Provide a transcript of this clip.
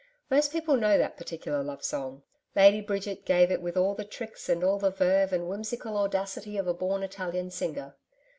Most people know that particular love song. Lady Bridget gave it with all the tricks and all the verve and whimsical audacity of a born Italian singer.